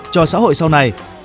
cho xã hội sau này